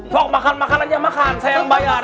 pok makan makan aja makan saya yang bayar